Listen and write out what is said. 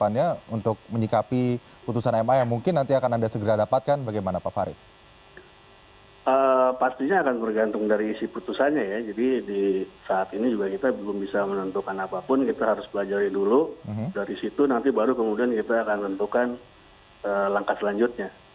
nanti baru kemudian kita akan menentukan langkah selanjutnya